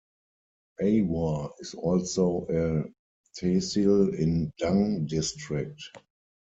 Ahwa is also a tehsil in Dang District.